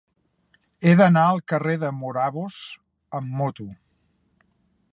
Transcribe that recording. He d'anar al carrer dels Morabos amb moto.